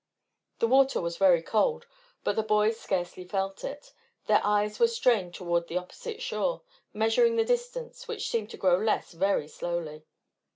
The water was very cold, but the boys scarcely felt it. Their eyes were strained toward the opposite shore, measuring the distance, which seemed to grow less very slowly.